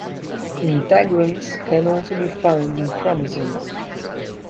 Integrons can also be found in chromosomes.